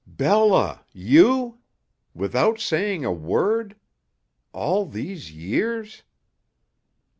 "Bella you? Without saying a word? All these years?"